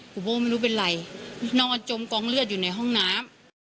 คุณพ่อไม่รู้เป็นไรนอนจมกองเลือดอยู่ในห้องน้ำ